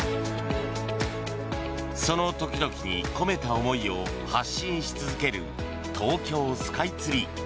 その時々に込めた思いを発信し続ける東京スカイツリー。